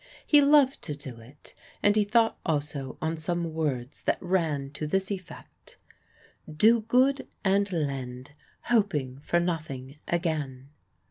He loved to do it, and he thought also on some words that ran to this effect: "Do good and lend, hoping for nothing again."